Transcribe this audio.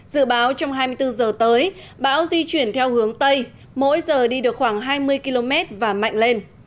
dự báo trong hai mươi bốn h tới bão di chuyển theo hướng tây mỗi giờ đi được khoảng hai mươi km và mạnh lên